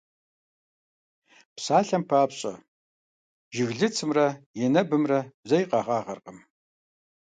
Псалъэм папщӀэ, жыглыцымрэ енэбымрэ зэи къэгъагъэркъым.